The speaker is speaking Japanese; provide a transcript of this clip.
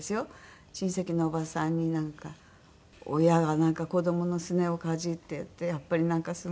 親戚のおばさんになんか「親が子どものすねをかじって」ってやっぱりすごく。